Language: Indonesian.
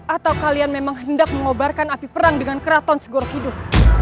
atau kalian memang hendak mengobarkan api perang dengan keraton segorok hidup